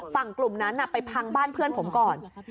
กลุ่มนั้นไปพังบ้านเพื่อนผมก่อน